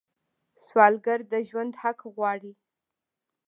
سوالګر د ژوند حق غواړي